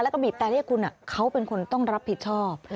แล้วก็บีบแต่เรียกคุณเขาเป็นคนต้องรับผิดชอบ